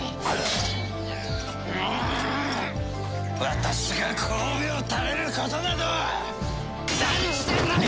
私がこうべを垂れることなど断じてない！